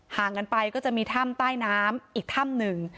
ห่างกันไปก็จะมีถ้ำใต้น้ำอีกถ้ำหนึ่ง